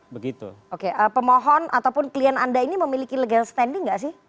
oke pemohon ataupun klien anda ini memiliki legal standing nggak sih